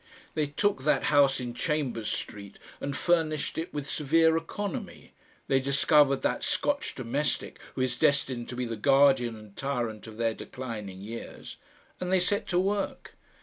They took that house in Chambers Street and furnished it with severe economy, they discovered that Scotch domestic who is destined to be the guardian and tyrant of their declining years, and they set to work.